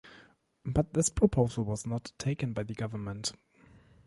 But this proposal was not taken up by the government.